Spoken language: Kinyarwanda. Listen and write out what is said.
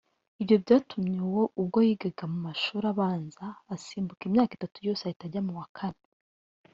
Ibyo byatumye ubwo yigaga mu mashuri abanza asimbuka imyaka itatu yose ahita ajya mu wa kane